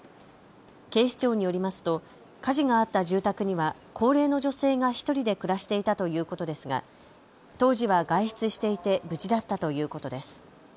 警視庁によりますと火事があった住宅には高齢の女性が１人で暮らしていたということですが当時は外出していて無事だったということです。